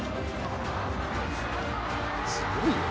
すごいよね。